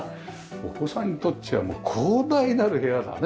お子さんにとっちゃ広大なる部屋だね。